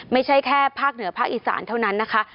ไม่ใช่แค่ภาคเหนือภาคอีสานเท่านั้นนะคะ